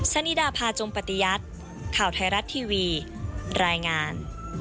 สนิดาพาจมปฏิยัติข่าวไทยรัฐทีวีรายงาน